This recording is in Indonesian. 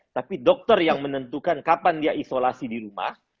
tapi dokter yang menentukan kapan dia isolasi di rumah